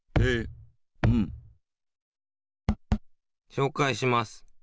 しょうかいします。